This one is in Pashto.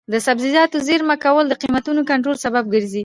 د سبزیجاتو زېرمه کول د قیمتونو کنټرول سبب ګرځي.